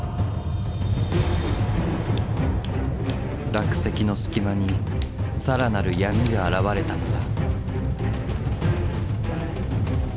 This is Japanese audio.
落石の隙間に更なる闇が現れたのだ。